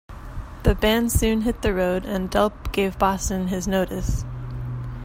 The band soon hit the road and Delp gave Boston his notice.